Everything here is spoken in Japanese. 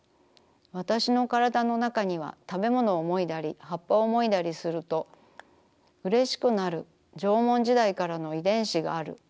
わたしのからだのなかにはたべものをもいだり葉っぱをもいだりするとうれしくなる縄文時代からの遺伝子がある。